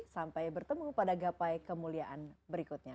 sampai bertemu pada gapai kemuliaan berikutnya